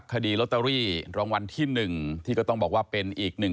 คดีลอตเตอรี่รางวัลที่หนึ่งที่ก็ต้องบอกว่าเป็นอีกหนึ่ง